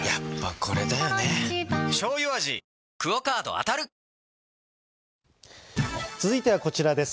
わかるぞ続いてはこちらです。